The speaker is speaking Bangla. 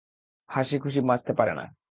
হাসিখুশি বাঁচতে পারে না।